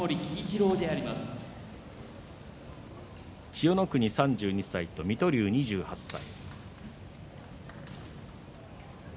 千代の国３２歳と水戸龍２８歳。